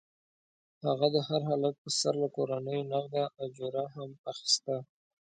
هغه د هر هلک پر سر له کورنیو نغده اجوره هم اخیسته.